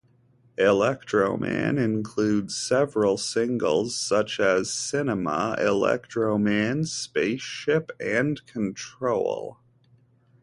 "Electroman" includes several singles, such as "Cinema", "Electroman", "Spaceship" and "Control".